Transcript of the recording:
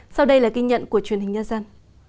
sau đây là ghi nhận của truyền hình nhân dân